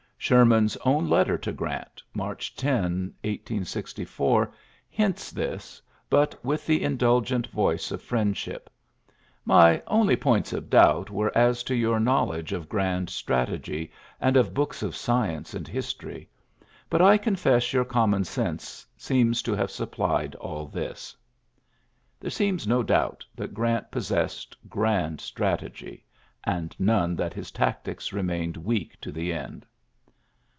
Sherman's own letter to Grant^ March 10, 1864, hints this, but with the indul gent voice of friendship : ^^My only points of doubt were as to your knowl edge of grand strategy and of books of science and history ; but I confess your common sense seems to have supplied all this. '' There seems no doubt that Orant possessed grand strategy — and none that his tactics remained weak to the end.